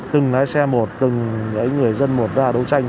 từng lái xe một từng người dân một ra đấu tranh